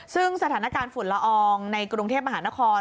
ซึ่งสถานการณ์ฝุ่นละอองในกรุงเทพมหานคร